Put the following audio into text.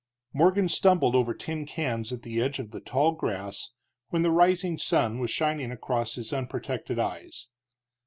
Morgan stumbled over tin cans at the edge of the tall grass when the rising sun was shining across his unprotected eyes.